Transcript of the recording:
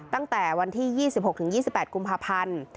ตั้งแต่วันที่๒๖๒๘กุมภาพันธ์